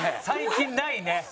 最近ないね。